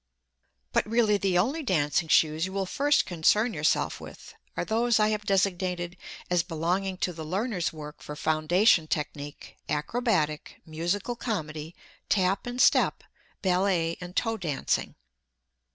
But really the only dancing shoes you will first concern yourself with are those I have designated as belonging to the learners' work for foundation technique, acrobatic, musical comedy, tap and step, ballet and toe dancing.